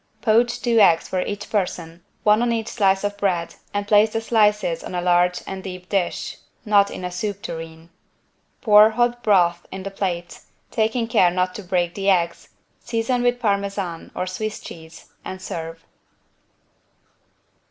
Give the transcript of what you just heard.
Poach two eggs for each person, one on each slice of bread and place the slices on a large and deep dish (not in a soup tureen). Pour hot broth in the plate, taking care not to break the eggs, season with Parmesan or Swiss cheese, and serve.